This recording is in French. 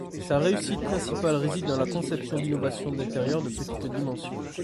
Sa réussite principale réside dans la conception d'innovation d'intérieurs de petites dimensions.